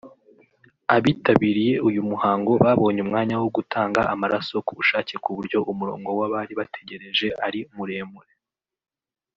Abitabiriye uyu muhango babonye umwanya wo gutanga amaraso ku bushake ku buryo umurongo w’abari bategereje ari muremure